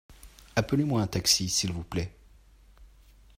Appelez-moi un taxi s’il vous plait.